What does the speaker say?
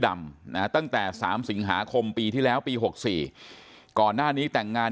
ดำนะตั้งแต่๓สิงหาคมปีที่แล้วปี๖๔ก่อนหน้านี้แต่งงาน